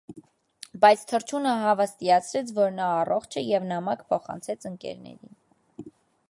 Բայց թռչունը հավաստիացրեց, որ նա առողջ է և նամակ փոխանցեց ընկերներին։